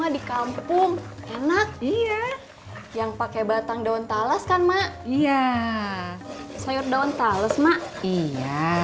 di kampung enak iya yang pakai batang daun talas kan mak iya sayur daun tales mak iya